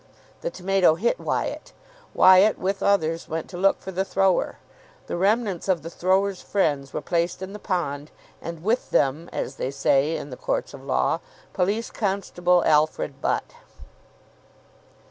The tomato hit Wyatt. Wyatt, with others, went to look for the thrower. The remnants of the thrower's friends were placed in the pond, and "with them," as they say in the courts of law, Police Constable Alfred Butt.